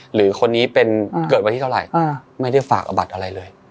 หรือคนนี้เป็นเกิดวันที่เท่าไหร่ไม่ได้ฝากเอาบัตรอะไรเลย